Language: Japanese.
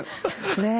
ねえ？